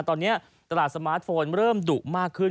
ตอนนี้ตลาดสมาร์ทโฟนเริ่มดุมากขึ้น